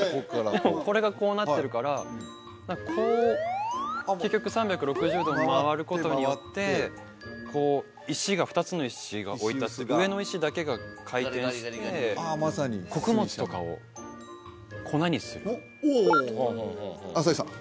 これがこうなってるからこう結局３６０度回ることによってこう２つの石が置いてあって上の石だけが回転して穀物とかを粉にする・おお朝日さん